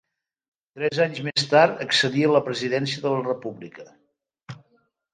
Tres anys més tard accedia a la presidència de la República.